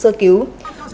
chương trình thực tế